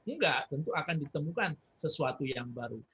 enggak tentu akan ditemukan sesuatu yang baru